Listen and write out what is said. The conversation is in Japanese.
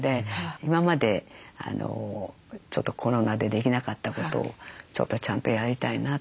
今までちょっとコロナでできなかったことをちょっとちゃんとやりたいなと。